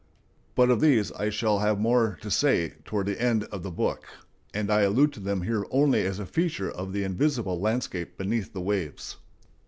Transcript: But of these I shall have more to say toward the end of the book, and I allude to them here only as a feature of the invisible landscape beneath the waves.